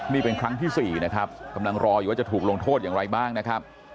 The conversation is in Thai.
นี่เป็นครั้งที่๔นะครับกำลังรออยู่ว่าจะถูกลงโทษอย่างไรบ้างนะครับ